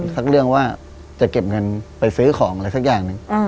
สักเรื่องว่าจะเก็บเงินไปซื้อของอะไรสักอย่างหนึ่ง